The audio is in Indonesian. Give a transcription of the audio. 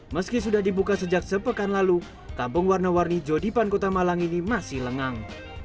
meski sudah dibuka sejak sepekan lalu kampung warna warni jodipan kota malang ini masih lengang